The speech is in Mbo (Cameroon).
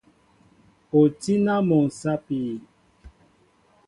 O tí na mol sapi?